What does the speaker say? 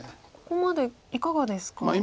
ここまでいかがですか？